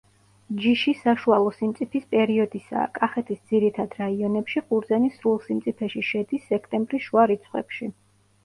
ჯიში საშუალო სიმწიფის პერიოდისაა, კახეთის ძირითად რაიონებში ყურძენი სრულ სიმწიფეში შედის სექტემბრის შუა რიცხვებში.